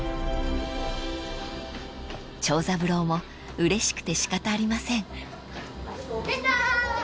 ［長三郎もうれしくて仕方ありません］